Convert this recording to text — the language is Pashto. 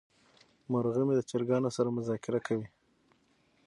مرغه مې د چرګانو سره مذاکره کوي.